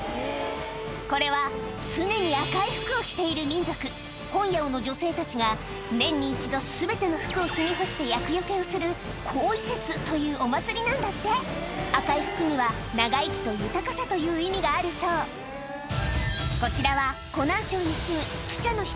これは常に赤い服を着ている民族紅ヤオの女性たちが年に一度全ての服を日に干して厄よけをする紅衣節というお祭りなんだって赤い服には長生きと豊かさという意味があるそうこちらは何だ？